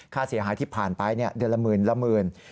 ค่าเสียหายที่ผ่านไปเดือนละหมื่นละหมื่น